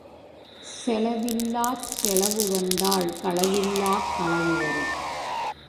செலவில்லாச் செலவு வந்தால் களவில்லாக் களவு வரும்.